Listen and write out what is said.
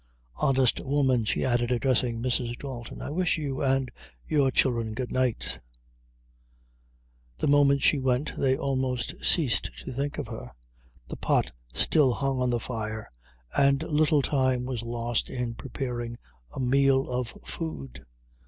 Honest woman," she added, addressing Mrs. Dalton, "I wish you and your childre good night!" The moment she went they almost ceased to think of her. The pot still hung on the fire, and little time was lost in preparing a meal of food.